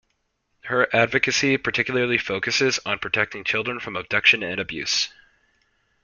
Her advocacy particularly focuses on protecting children from abduction and abuse.